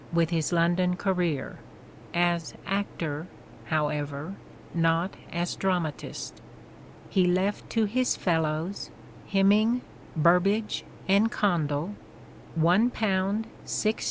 T , with his London career — as actor, however, not as dramatist. He left to his " fellowes " Heminge, Burbage, and Condell £i 6s.